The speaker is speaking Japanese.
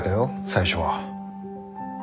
最初は。